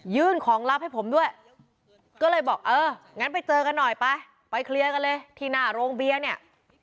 ของลับให้ผมด้วยก็เลยบอกเอองั้นไปเจอกันหน่อยไปไปเคลียร์กันเลยที่หน้าโรงเบียร์เนี่ย